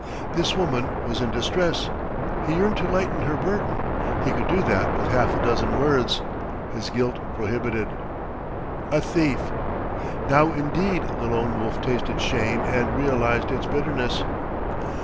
This woman was in distress; he yearned to lighten her burden; he could do that with half a dozen words; his guilt prohibited. A thief! Now indeed the Lone Wolf tasted shame and realized its bitterness....